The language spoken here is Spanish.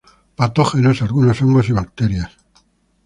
Patógenos: algunos hongos y bacterias:.